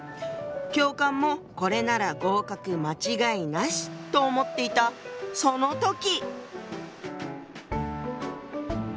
教官もこれなら合格間違いなしと思っていたその時！